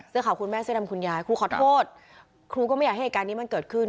ข่าวคุณแม่เสื้อดำคุณยายครูขอโทษครูก็ไม่อยากให้เหตุการณ์นี้มันเกิดขึ้น